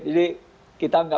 jadi kita nggak